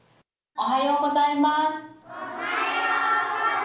おはようございます。